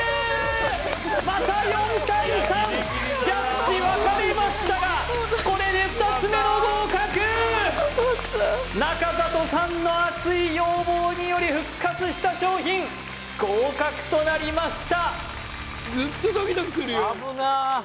また４対３ジャッジ分かれましたがこれで２つ目の合格中里さんの熱い要望により復活した商品合格となりました